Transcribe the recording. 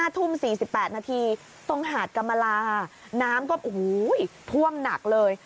๕ทุ่ม๔๘นาทีตรงหาดกรรมลาน้ำก็ท่วมหนักเลย